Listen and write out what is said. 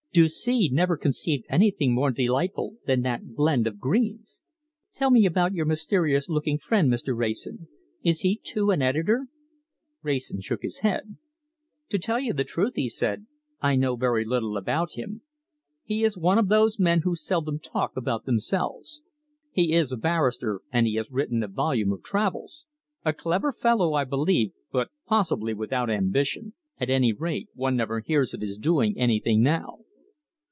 Doucet never conceived anything more delightful than that blend of greens! Tell me about your mysterious looking friend, Mr. Wrayson. Is he, too, an editor?" Wrayson shook his head. "To tell you the truth," he said, "I know very little about him. He is one of those men who seldom talk about themselves. He is a barrister, and he has written a volume of travels. A clever fellow, I believe, but possibly without ambition. At any rate, one never hears of his doing anything now."